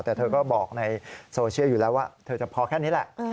แต่เธอก็บอกในโซเชียลอยู่แล้วว่าเธอจะพอแค่นี้แหละ